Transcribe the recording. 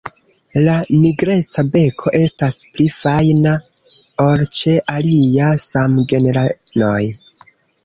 La nigreca beko estas pli fajna ol ĉe aliaj samgenranoj.